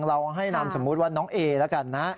เราให้นามสมมุติว่าน้องเอแล้วกันนะ